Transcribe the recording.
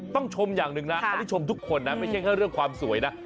ชมอย่างหนึ่งนะอันนี้ชมทุกคนนะไม่ใช่แค่เรื่องความสวยนะ